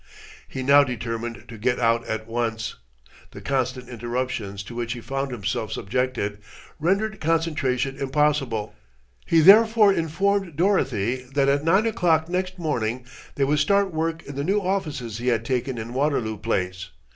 He now determined to get out at once. The constant interruptions to which he found himself subjected, rendered concentration impossible. He therefore informed Dorothy that at nine o'clock next morning they would start work in the new offices he had taken in Waterloo Place.